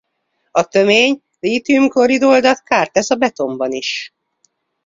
A tömény LiCl-oldat kárt tesz a betonban is.